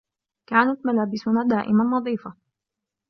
كانت ملابسنا دائما نظيفة.